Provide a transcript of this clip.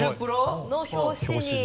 その表紙に。